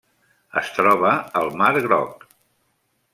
Es troba al mar Groc: